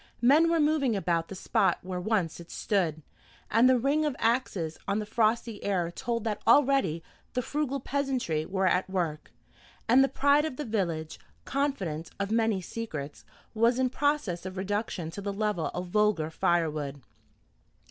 Men were moving about the spot where once it stood, and the ring of axes on the frosty air told that already the frugal peasantry were at work; and the pride of the village, confidant of many secrets, was in process of reduction to the level of vulgar fire wood.